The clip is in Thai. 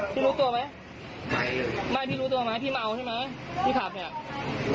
รู้ตัวไหมไม่พี่รู้ตัวไหมพี่เมาใช่ไหมพี่ขับเนี่ย